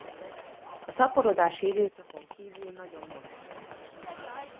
A szaporodási időszakon kívül nagyon mozgékony.